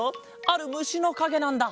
あるむしのかげなんだ。